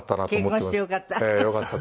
結婚してよかった？